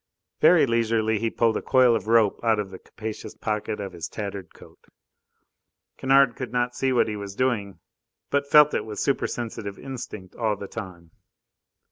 Very leisurely he pulled a coil of rope out of the capacious pocket of his tattered coat. Kennard could not see what he was doing, but felt it with supersensitive instinct all the time.